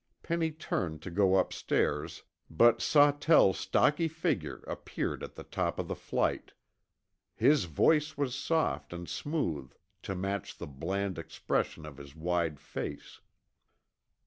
Penny turned to go upstairs, but Sawtell's stocky figure appeared at the top of the flight. His voice was soft and smooth to match the bland expression of his wide face.